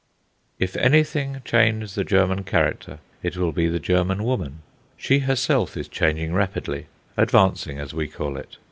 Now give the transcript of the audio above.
If anything change the German character, it will be the German woman. She herself is changing rapidly advancing, as we call it.